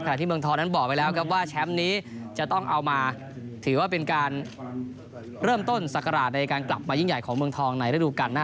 ที่เมืองทองนั้นบอกไปแล้วครับว่าแชมป์นี้จะต้องเอามาถือว่าเป็นการเริ่มต้นศักราชในการกลับมายิ่งใหญ่ของเมืองทองในระดูการหน้า